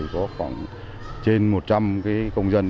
có khoảng trên một trăm linh công dân